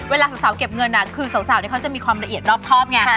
เวลาสาวเก็บเงินคือสาวเขาจะมีความละเอียดรอบครอบไง